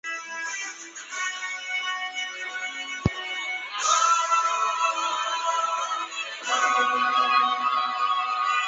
贴近尼埃普斯环形山西南边缘有一座可能形成于一次斜向撞击的泪滴状陨坑。